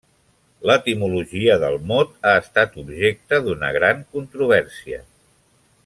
L'etimologia del mot ha estat objecte d'una gran controvèrsia.